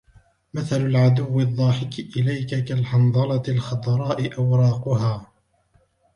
مَثَلُ الْعَدُوِّ الضَّاحِكِ إلَيْك كَالْحَنْظَلَةِ الْخَضْرَاءِ أَوْرَاقُهَا